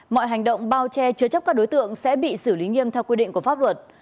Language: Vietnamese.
mọi hành động bao che chứa chấp các đối tượng sẽ bị xử lý nghiêm theo quy định của pháp luật